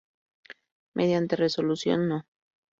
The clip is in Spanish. Mediante Resolución No.